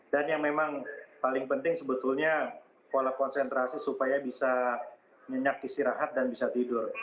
dan yang memang paling penting sebetulnya pola konsentrasi supaya bisa nyenyak istirahat dan bisa tidur